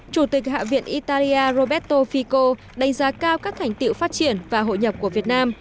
chủ tịch hạ viện italia roberto fico đánh giá cao các thành tiệu phát triển và hội nhập của việt nam